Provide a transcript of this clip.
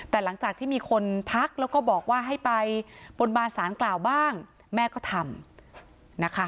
แต่หลังจากที่มีคนทักแล้วก็บอกว่าให้ไปบนบานสารกล่าวบ้างแม่ก็ทำนะคะ